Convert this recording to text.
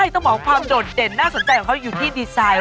ต้องบอกว่าความโดดเด่นน่าสนใจของเขาอยู่ที่ดีไซน์